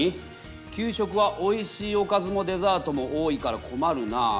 「給食はおいしいおかずもデザートも多いから困るなあ」。